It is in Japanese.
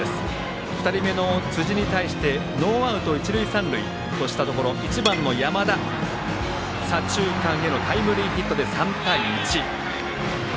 ２人目の辻に対してノーアウト一塁三塁としたところ１番の山田、左中間へのタイムリーヒットで３対１。